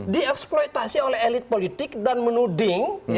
dieksploitasi oleh elit politik dan menuding